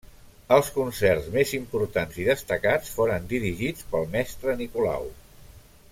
Els concerts més importants i destacats foren dirigits pel mestre Nicolau.